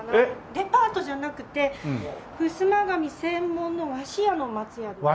デパートじゃなくてふすま紙専門の和紙屋の松屋です。